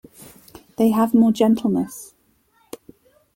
They have more gentleness.